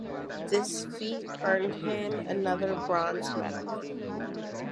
This feat earned him another bronze medal.